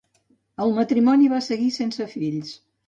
El matrimoni va seguir sense fills.